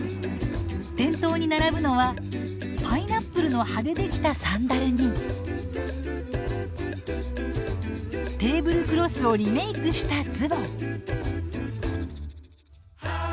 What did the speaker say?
店頭に並ぶのはパイナップルの葉でできたサンダルにテーブルクロスをリメークしたズボン。